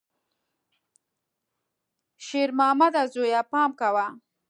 شېرمامده زویه، پام کوه!